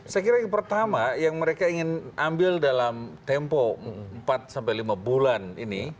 saya kira yang pertama yang mereka ingin ambil dalam tempo empat sampai lima bulan ini